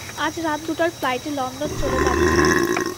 আজ রাত দুটার ফ্লাইটে লন্ডন চলে যাচ্ছেন।